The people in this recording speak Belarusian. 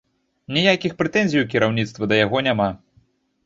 Ніякіх прэтэнзій у кіраўніцтва да яго няма.